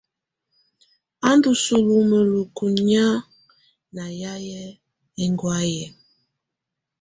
Á ndù sulù mǝlukù nyàà ná yayɛ ɛŋgɔ̀áyɛ.